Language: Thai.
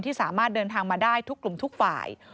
สามารถเดินทางมาได้ทุกกลุ่มทุกฝ่าย